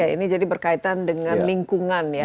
ini jadi berkaitan dengan lingkungan ya